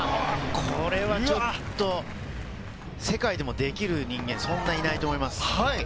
これはちょっと世界でもできる人間、そんなにいないと思います。